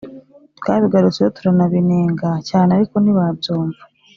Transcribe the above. Twabigarutseho turanabinenga cyane ariko ntibabyumva